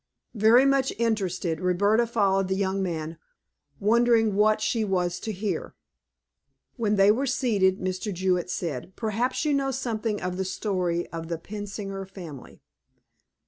Very much interested, Roberta followed the young man, wondering what she was to hear. When they were seated, Mr. Jewett said: "Perhaps you know something of the story of the Pensinger family?"